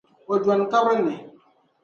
O dɔni kabiri ni.